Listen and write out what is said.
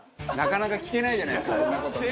なかなか聞けないじゃないですかこんな事を。